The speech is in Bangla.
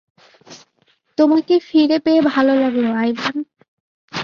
তোমাকে ফিরে পেয়ে ভালো লাগলো, আইভান।